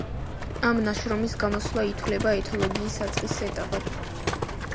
ამ ნაშრომის გამოსვლა ითვლება ეთოლოგიის საწყის ეტაპად.